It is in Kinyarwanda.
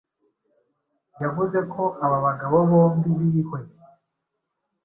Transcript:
yavuze ko aba bagabo bombi bihwe